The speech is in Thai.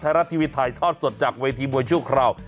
ไทยรัตน์ทีวีถ่ายทอดสดจากเวทีมวยชู่คราว